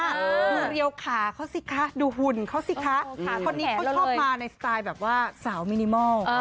ดูเรียวขาเขาสิคะดูหุ่นเขาสิคะคนนี้เขาชอบมาในสไตล์แบบว่าสาวมินิมอล